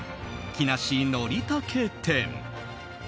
「木梨憲武展」。